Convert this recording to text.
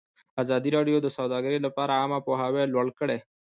ازادي راډیو د سوداګري لپاره عامه پوهاوي لوړ کړی.